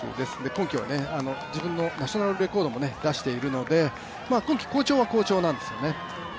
今季は自分のナショナルレコードも出しているので今季、好調は好調なんですね。